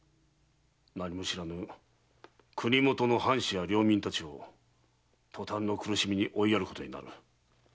何も知らぬ国もとの藩士や領民たちを塗炭の苦しみに追いやることになる。